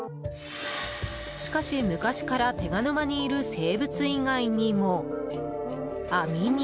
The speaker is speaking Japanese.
しかし、昔から手賀沼にいる生物以外にも網に。